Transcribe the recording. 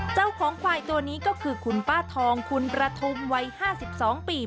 เจ้าของควายตัวนี้ก็คือคุณป้าทองคุณประธุมวัย๕๒ปี